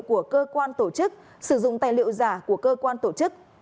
của cơ quan tổ chức sử dụng tài liệu giả của cơ quan tổ chức